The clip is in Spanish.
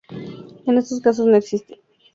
En estos casos no existe devanado amortiguador.